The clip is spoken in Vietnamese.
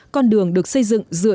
con đường được xây dựng dựa